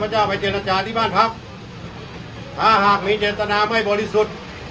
เจ้าไปเจรจาที่บ้านพักถ้าหากมีเจตนาไม่บริสุทธิ์